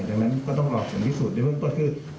ดังนั้นก็ต้องรอสังพิสูจน์ดังนั้นก็คือ